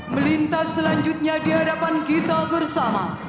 melintas selanjutnya di hadapan kita bersama